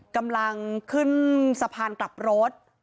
กำลังขึ้นสะพานกลับรถ